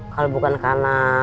kalau bukan karena